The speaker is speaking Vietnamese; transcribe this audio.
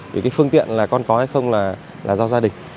vì phương tiện con có hay không là do gia đình